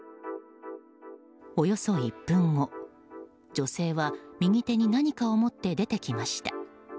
およそ１分後女性は右手に何かを持って出てきました。